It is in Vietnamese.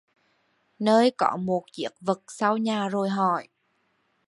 Nơi có một chiếc vực sau nhà rồi hỏi